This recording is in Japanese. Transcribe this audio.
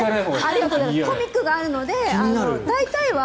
コミックがあるので大体は。